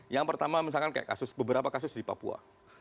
yang pertama misalkan kayak beberapa kasus di papua